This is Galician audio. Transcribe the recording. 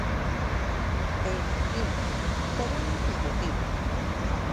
E insistimos, sóbrannos os motivos.